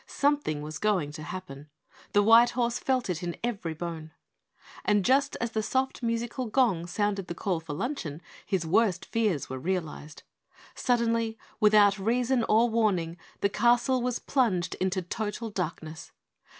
Something was going to happen. The white horse felt it in every bone. And just as the soft musical gong sounded the call for luncheon, his worst fears were realized. Suddenly, without reason or warning, the castle was plunged into total darkness.